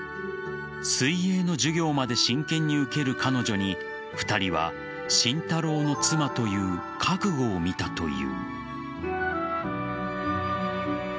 水泳の授業まで真剣に受ける彼女に２人は慎太郎の妻という覚悟を見たという。